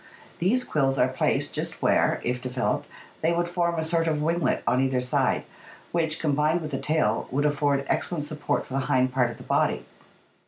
These quills are placed just where, if developed, they would form a sort of winglet on either side, which, combined with the tail, would afford excellent support for the hind part of the body.